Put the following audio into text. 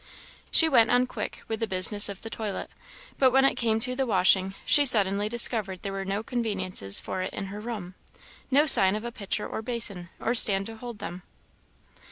She went on quick with the business of the toilet. But when it came to the washing, she suddenly discovered that there were no conveniences for it in her room no sign of pitcher or basin, or stand to hold them.